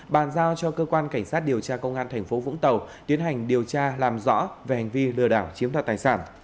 bàn giao cho cơ quan cảnh sát điều tra công an thành phố vũng tàu tiến hành điều tra làm rõ về hành vi lừa đảo chiếm đoạt tài sản